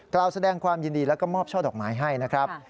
กล่าวแสดงความยินดีแล้วก็มอบช่อดอกไม้ให้นะครับ